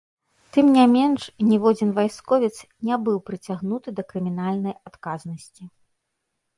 Тым не менш, ніводзін вайсковец не быў прыцягнуты да крымінальнай адказнасці.